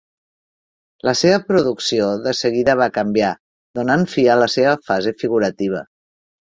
La seva producció de seguida va canviar, donant fi a la seva fase figurativa.